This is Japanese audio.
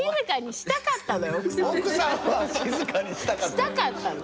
したかったの。